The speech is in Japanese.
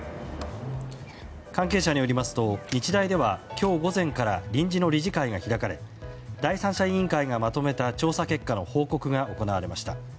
関係者によりますと日大では今日午前から臨時の理事会が開かれ第三者委員会がまとめた調査結果の報告が行われました。